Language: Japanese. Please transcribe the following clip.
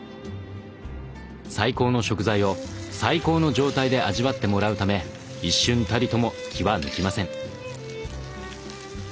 最高の食材を最高の状態で味わってもらうため一瞬たりとも気は抜きません。